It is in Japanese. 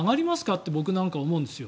って僕は思うんですよ。